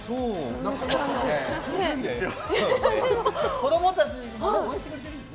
子供たちにも応援されてるんですよ。